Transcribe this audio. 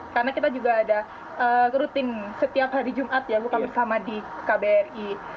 karena kita juga ada rutin setiap hari jumat ya bukan bersama di kbri